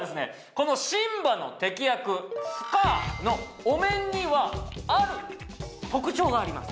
このシンバの敵役スカーのお面にはある特徴があります